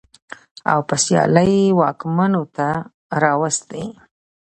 او په سيالۍ واکمنو ته راوستې.